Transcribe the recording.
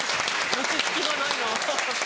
落ち着きがない。